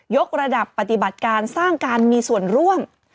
กระดับปฏิบัติการสร้างการมีส่วนร่วม